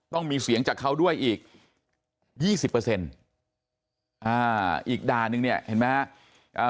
ต้องมีเสียงจากเขาด้วยอีก๒๐อีกด่านึงเนี่ยเห็นไหมฮะ